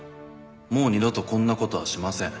「もう二度とこんなことはしません」